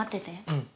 うん。